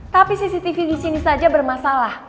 tapi cctv disini saja bermasalah